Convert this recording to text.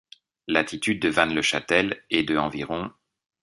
L'altitude de Vannes-le-Châtel est de environ.